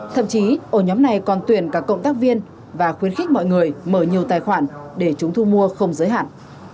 thậm chí ổ nhóm này còn tuyển cả cộng tác viên và khuyến khích mọi người mở nhiều tài khoản để chúng thu mua không giới hạn